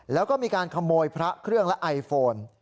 และก็คำโมยพระเครื่องและไอโฟน